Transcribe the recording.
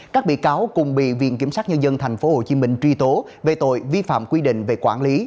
các bị cáo cùng bị viện kiểm sát nhân dân tp hcm truy tố về tội vi phạm quy định về quản lý